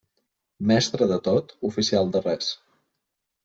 Mestre de tot, oficial de res.